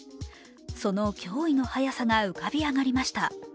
その脅威の早さが浮かび上がりました。